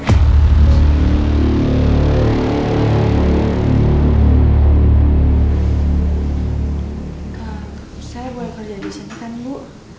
kak saya boleh kerja disini kan bu